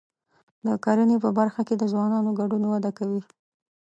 د کرنې په برخه کې د ځوانانو ګډون وده کوي.